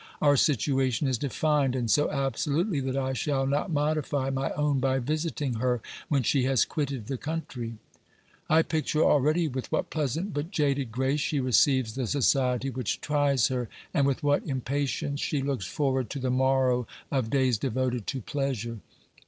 Our situa tion is defined, and so absolutely that I shall not modify my own by visiting her when she has quitted the country. I picture already with what pleasant but jaded grace she receives the society which tries her, and with what impa tience she looks forward to the morrow of days devoted to pleasure.